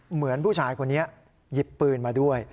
เหมือนผู้ชายคนนี้หยิบปืนมาด้วย